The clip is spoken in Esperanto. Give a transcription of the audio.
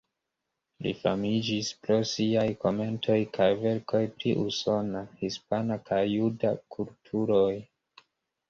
Li famiĝis pro siaj komentoj kaj verkoj pri usona, hispana kaj juda kulturoj.